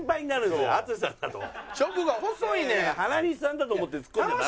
原西さんだと思ってツッコんじゃダメです。